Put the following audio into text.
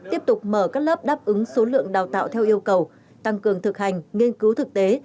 tiếp tục mở các lớp đáp ứng số lượng đào tạo theo yêu cầu tăng cường thực hành nghiên cứu thực tế